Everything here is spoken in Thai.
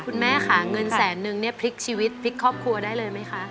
คุณแม่ค่ะเงินแสนนึงเนี่ยพลิกชีวิตพลิกครอบครัวได้เลยไหมคะ